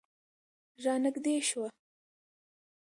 رانږدې شوه.